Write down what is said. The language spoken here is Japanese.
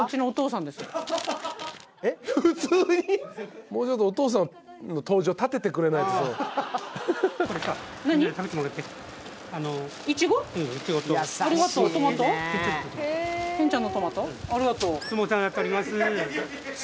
お父さん。